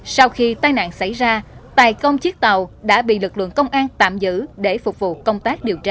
sau khi tai nạn xảy ra tài công chiếc tàu đã bị lực lượng công an tạm giữ để phục vụ công tác điều tra